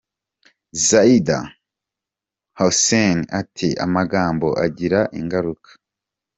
Zeid Ra’ad al Hussein, ati: “Amagambo agira ingaruka.